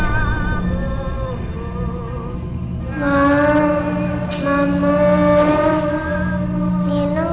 ketika kita berdua berdua